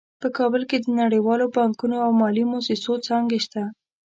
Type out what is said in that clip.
په کابل کې د نړیوالو بانکونو او مالي مؤسسو څانګې شته